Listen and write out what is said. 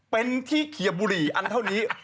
เป็นที่เขียบบุหรี่อันเท่านี้